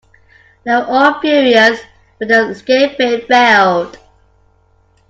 They were all furious when the escapade failed.